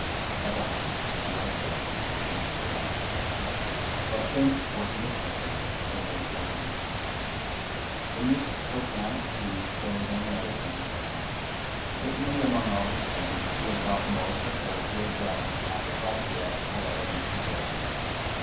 "At last you are safe," said Mr. Low. "But think what he has suffered," said Lord Chiltern. Phineas looked round to see if there was any other friend present. Certainly among all his friends he had thought most of her who had travelled half across Europe for evidence to save him.